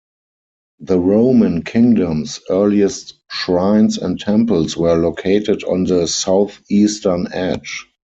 The Roman Kingdom's earliest shrines and temples were located on the southeastern edge.